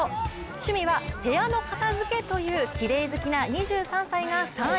趣味は部屋の片付けというきれい好きな２３歳が３位。